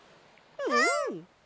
うん！